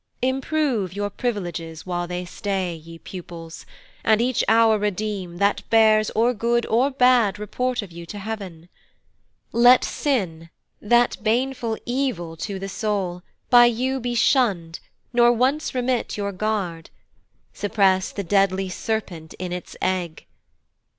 Improve your privileges while they stay, Ye pupils, and each hour redeem, that bears Or good or bad report of you to heav'n. Let sin, that baneful evil to the soul, By you be shun'd, nor once remit your guard; Suppress the deadly serpent in its egg.